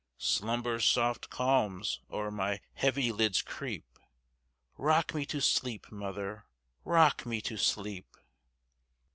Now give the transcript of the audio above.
Slumber's soft calms o'er my heavy lids creep;—Rock me to sleep, mother,—rock me to sleep!